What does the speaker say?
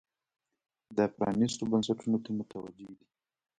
دا پرانیستو بنسټونو ته متوجې دي.